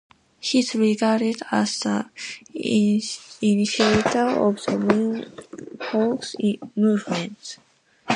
He is regarded as the initiator of the Moon hoax movement.